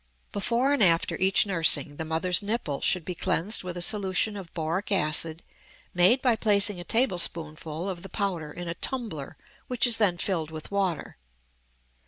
Before and after each nursing the mothers' nipple should be cleansed with a solution of boric acid made by placing a tablespoonful of the powder in a tumbler which is then filled with water.